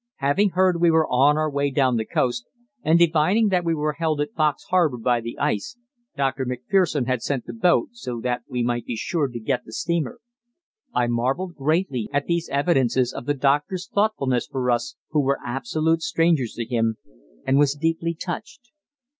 Having heard we were on our way down the coast, and divining that we were held at Fox Harbour by the ice, Dr. Macpherson had sent the boat so that we might be sure to get the steamer. I marvelled greatly at these evidences of the doctor's thoughtfulness for us who were absolute strangers to him, and was deeply touched.